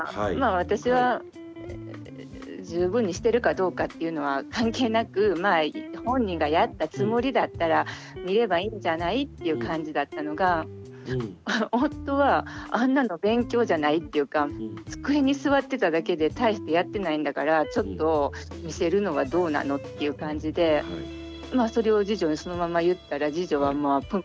私は十分にしてるかどうかっていうのは関係なくまあ本人がやったつもりだったら見ればいいんじゃないっていう感じだったのが夫はあんなの勉強じゃないっていうか机に座ってただけで大してやってないんだからちょっと見せるのはどうなのっていう感じでまあそれを次女にそのまま言ったら次女はプンプン怒って。